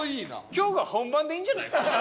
今日が本番でいいんじゃない？